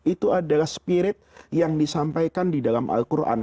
itu adalah spirit yang disampaikan di dalam al quran